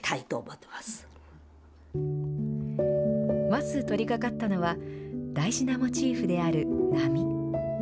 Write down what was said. まず取りかかったのは、大事なモチーフである波。